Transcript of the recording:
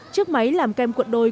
chiếc máy làm kem cuộn đôi